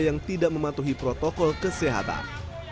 yang tidak mematuhi protokol kesehatan